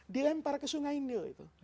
dilempar ke sungai nil itu